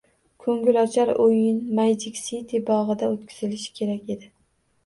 Ko‘ngilochar o‘yin Magic City bog‘ida o‘tkazilishi kerak edi